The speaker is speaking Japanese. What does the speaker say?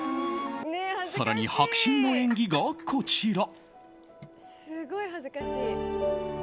更に迫真の演技がこちら。